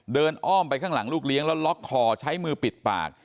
อ้อมไปข้างหลังลูกเลี้ยงแล้วล็อกคอใช้มือปิดปาก